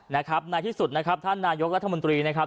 นะครับในที่สุดนะครับท่านนายกรัฐมนตรีนะครับ